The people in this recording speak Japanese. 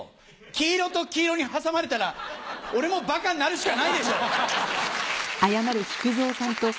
黄色と黄色に挟まれたら俺もバカになるしかないでしょ！